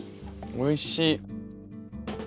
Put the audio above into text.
おいしい！